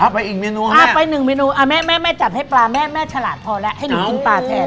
ไปอีกเมนูครับแม่และแม่จัดให้ปลาแม่ฉลาดพอแล้วให้หนูกินปลาแทน